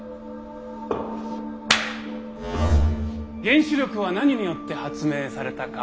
原子力は何によって発明されたか？